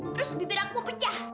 terus bibir aku pecah